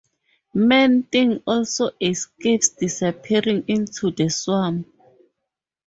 Man-Thing also escapes disappearing into the Swamp.